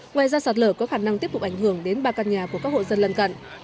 ngoài ra sạt lở có khả năng tiếp tục ảnh hưởng đến ba căn nhà của các hộ dân lân cận